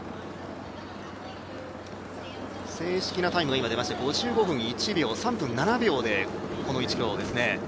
正式なタイム５５分１秒３分７秒で、この１ｋｍをですね。